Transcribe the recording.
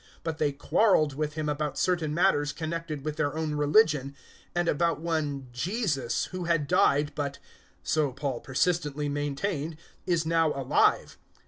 025:019 But they quarrelled with him about certain matters connected with their own religion, and about one Jesus who had died, but so Paul persistently maintained is now alive.